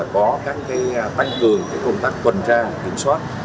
có các tăng cường công tác quần trang kiểm soát